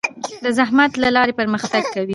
د زحمت له لارې پرمختګ کوي.